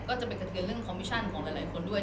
ก็จะไปกระเทือนเรื่องคอมมิชั่นของหลายคนด้วย